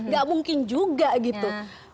gak mungkin juga gitu